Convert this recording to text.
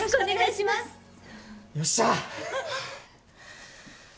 よっしゃ！